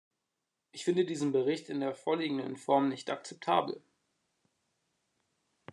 Ich finde diesen Bericht in der vorliegenden Form nicht akzeptabel.